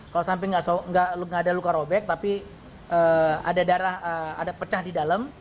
kalau sampai nggak ada luka robek tapi ada darah ada pecah di dalam